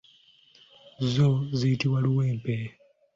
Zo ziyitibwa luwempe.